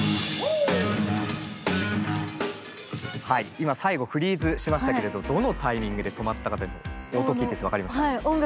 今最後フリーズしましたけれどどのタイミングで止まったかというの音聴いてて分かりました？